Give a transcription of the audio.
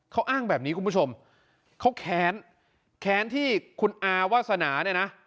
เขาอ้างแบบนี้คุณผู้ชมเขาแค้นแค้นที่คุณอาวาสนาเนี่ยนะ